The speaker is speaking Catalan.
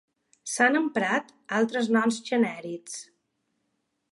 S'han emprat altres noms genèrics.